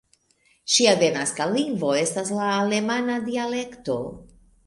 Ŝia denaska lingvo estas la alemana dialekto.